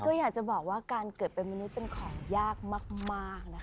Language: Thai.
ก็อยากจะบอกว่าการเกิดเป็นมนุษย์เป็นของยากมากนะคะ